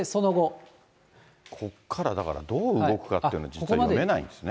ここからだから、どう動くかっていうのは読めないんですね。